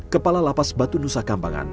kepala lapas batu nusa kambangan